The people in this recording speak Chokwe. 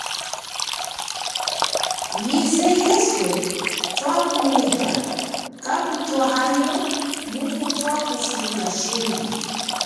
Yize yeswe twakumwita kakutwahayo mumu twakufunga shimbi.